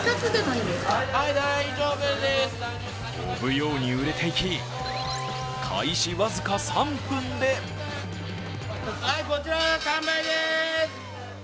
飛ぶように売れていき、開始わずか３分でこちら完売です。